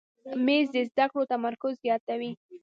مېز د زده کړو تمرکز زیاتوي.